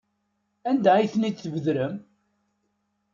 Anda ay ten-id-tbedrem?